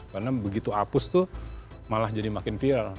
karena begitu hapus tuh malah jadi makin viral